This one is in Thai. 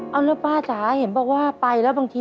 เอาแล้วป้าจ๋าเห็นบอกว่าไปแล้วบางที